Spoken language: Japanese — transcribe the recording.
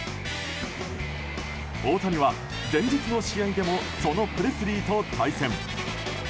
大谷は前日の試合でもそのプレスリーと対戦。